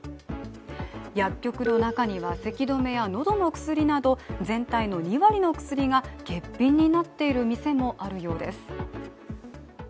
薬局の中にはせき止めや喉の薬など全体の２割の薬が欠品になっている店もあるようです。